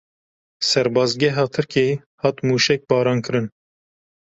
Serbazgeha Tirkiyeyê hat mûşekbarankirin.